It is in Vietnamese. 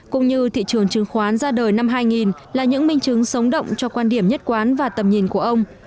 cũng như thị trường chứng khoán ra đời năm hai nghìn là những minh chứng sống động cho quan điểm nhất quán và tầm nhìn của ông